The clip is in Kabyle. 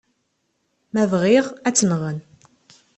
Ma bɣiɣ, ad tt-nɣen.